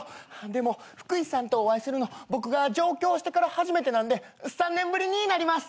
でも福井さんとお会いするの僕が上京してから初めてなんで３年ぶりになります。